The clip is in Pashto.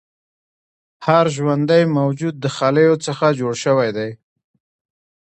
هر ژوندی موجود د خلیو څخه جوړ شوی دی